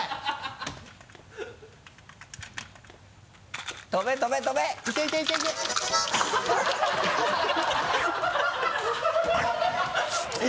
ハハハ